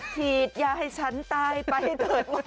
ฉีดยาให้ฉันตายไปให้เถิด